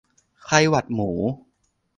ไข้หวัดหมู